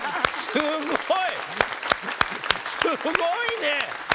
すごいね！